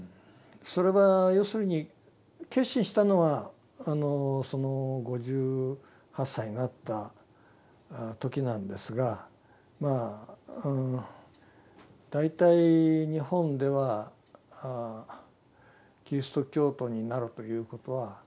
それは要するに決心したのは５８歳になった時なんですがまあ大体日本ではキリスト教徒になるということはおかしなことのようですな。